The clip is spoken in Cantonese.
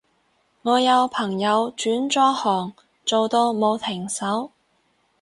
我有朋友轉咗行做到冇停手